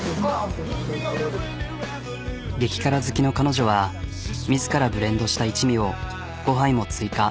激辛好きの彼女は自らブレンドした一味を５杯も追加。